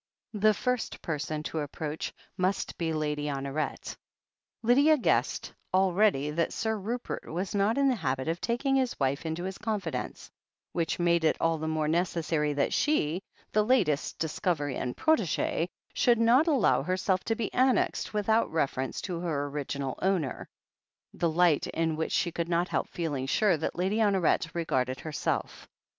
The first person to approach must be Lady Hon oret. Lydia guessed already that Sir Rupert was not in the habit of taking his wife into his confidence, which made it all the more necessary that she, the latest dis covery and protegee, should not allow herself to be annexed without reference to her original owner — the THE HEEL OF ACHILLES 249 light in which she could not help feeling sure that Lady Honoret regarded herself.